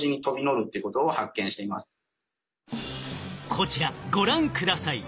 こちらご覧下さい。